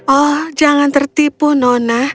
oh jangan tertipu nona